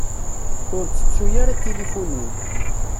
Ur ttettu ara tilifun-m.